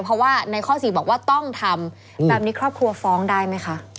เพราะว่าในข้อ๔แบบนี้ครอบครัวฟ้องได้ไหม